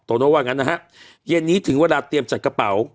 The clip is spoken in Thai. โน่ว่างั้นนะฮะเย็นนี้ถึงเวลาเตรียมจัดกระเป๋า